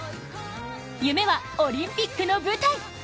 夢は、オリンピックの舞台。